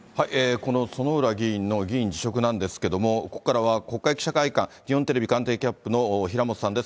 この薗浦議員の議員辞職なんですけれども、ここからは国会記者会館、日本テレビ官邸キャップの平本さんです。